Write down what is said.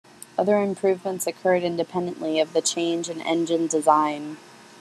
Other improvements occurred independently of the change in engine design.